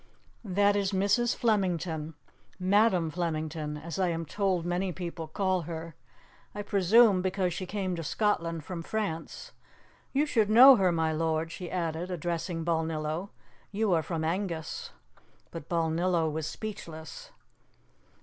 "That is Mrs. Flemington Madam Flemington, as I am told many people call her I presume, because she came to Scotland from France. You should know her, my lord," she added, addressing Balnillo; "you are from Angus." But Balnillo was speechless.